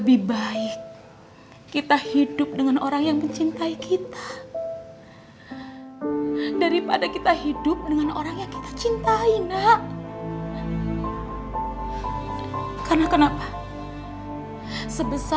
ini tidak kecewa